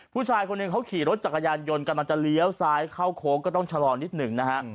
ผู้ชายคนหนึ่งเขาขี่รถจักรยานยนต์กำลังจะเลี้ยวซ้ายเข้าโค้งก็ต้องชะลอนิดหนึ่งนะฮะ